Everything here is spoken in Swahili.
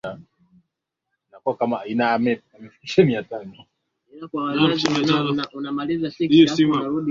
Dhamira yao kubwa ni kujenga Zanzibar mpya kwa kupitia uchumi wa kisasa